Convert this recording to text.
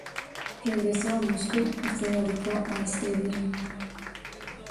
Regresó a Moscú y se dedicó a escribir.